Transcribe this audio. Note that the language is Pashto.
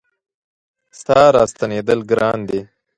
ستا را ستنېدل ګران دي